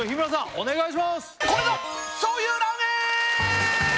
お願いします！